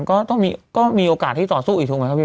ก็ต้องมีก็มีโอกาสที่ต่อสู้ทุกคนเข้าไปไหม